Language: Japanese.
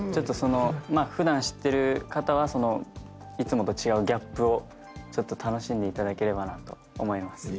普段知ってる方はいつもと違うギャップを楽しんでいただければなと思います。